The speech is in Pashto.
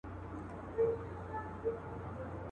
خلک ځغلي تر ملا تر زیارتونو.